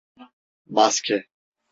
Maske…